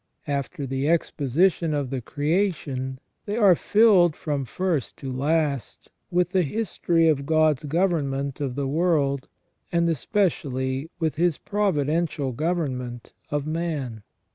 After the exposition of the creation, they are filled from first to last with the history of God's government of the world, and especially with His providential government of man.